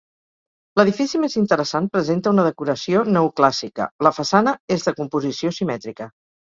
L'edifici més interessant presenta una decoració neoclàssica, la façana és de composició simètrica.